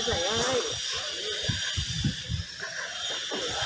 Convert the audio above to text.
สวัสดีสวัสดี